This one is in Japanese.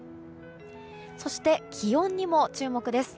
そして、気温にも注目です。